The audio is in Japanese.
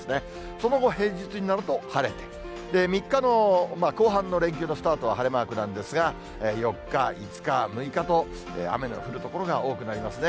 その後、平日になると晴れて、３日の後半の連休のスタートは、晴れマークなんですが、４日、５日、６日と雨の降る所が多くなりますね。